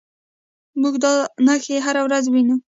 موږ دا نښې هره ورځ وینو.